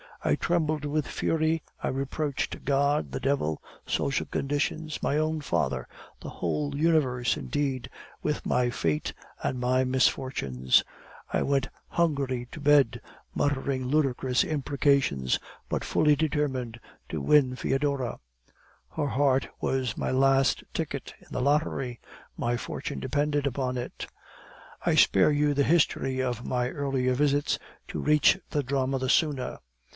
I trembled with fury, I reproached God, the devil, social conditions, my own father, the whole universe, indeed, with my fate and my misfortunes. I went hungry to bed, muttering ludicrous imprecations, but fully determined to win Foedora. Her heart was my last ticket in the lottery, my fortune depended upon it. "I spare you the history of my earlier visits, to reach the drama the sooner.